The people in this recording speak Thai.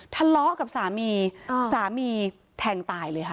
ทะเลาะกับสามีสามีแทงตายเลยค่ะ